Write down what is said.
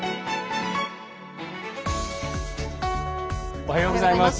おはようございます。